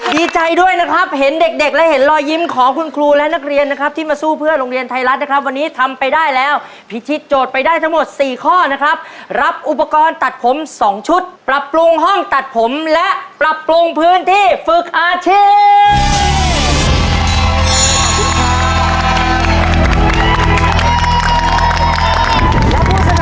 ดีใจด้วยนะครับเห็นเด็กและเห็นรอยยิ้มของคุณครูและนักเรียนนะครับที่มาสู้เพื่อโรงเรียนไทยรัฐนะครับวันนี้ทำไปได้แล้วพิธีโจทย์ไปได้ทั้งหมด๔ข้อนะครับรับอุปกรณ์ตัดผม๒ชุดปรับปรุงห้องตัดผมและปรับปรุงพื้นที่ฝึกอาชีพ